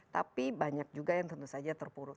tapi banyak juga yang tentu saja terpuruk